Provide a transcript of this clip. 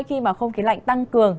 khi mà không khí lạnh tăng cường